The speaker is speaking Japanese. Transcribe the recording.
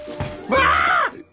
わっ！